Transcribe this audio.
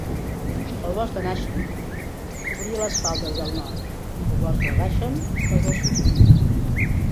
El bosc de Nanshan cobria les faldes del nord; el bosc de Bashan, les del sud.